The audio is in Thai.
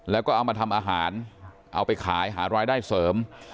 แล้วก็เอามาทำอาหารเอาไปขายหารายได้เสริม